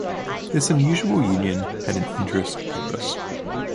This unusual union had an interest purpose.